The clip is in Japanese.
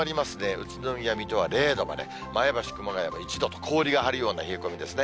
宇都宮、水戸は０度まで、前橋、熊谷も１度と、氷が張るような冷え込みですね。